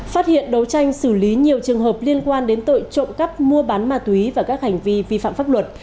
phát hiện đấu tranh xử lý nhiều trường hợp liên quan đến tội trộm cắp mua bán ma túy và các hành vi vi phạm pháp luật